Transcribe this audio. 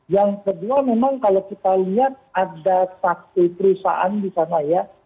yang kedua memang kalau kita lihat ada satu perusahaan di sana ya